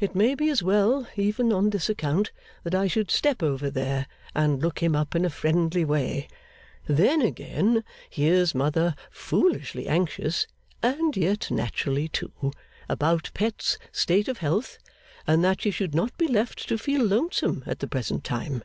It may be as well, even on this account, that I should step over there, and look him up in a friendly way. Then again, here's Mother foolishly anxious (and yet naturally too) about Pet's state of health, and that she should not be left to feel lonesome at the present time.